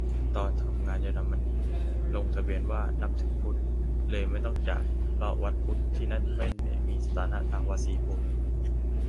ตอนทำงานเยอรมนี ลงทะเบียนว่านับถือพุทธ เลยไม่ต้องจ่าย เพราะวัดพุทธที่นั่นไม่ได้มีสถานะทางภาษีโบสถ์